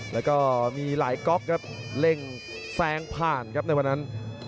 แล้วก็มีหลายก๊อกครับเร่งแซงผ่านครับในวันนั้น